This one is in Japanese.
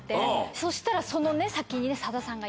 そしたらその先に。